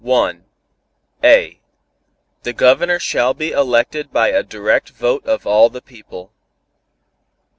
(a) The Governor shall be elected by a direct vote of all the people.